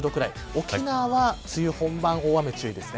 沖縄は梅雨本番大雨に注意です。